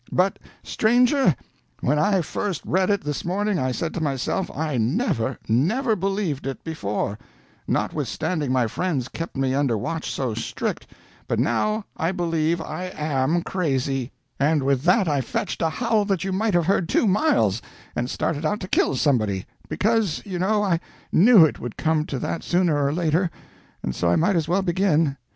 But, stranger, when I first read it this morning, I said to myself, I never, never believed it before, notwithstanding my friends kept me under watch so strict, but now I believe I am crazy; and with that I fetched a howl that you might have heard two miles, and started out to kill somebody because, you know, I knew it would come to that sooner or later, and so I might as well begin.